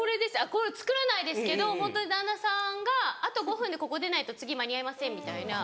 これ作らないですけどホントに旦那さんが「あと５分でここ出ないと次間に合いません」みたいな。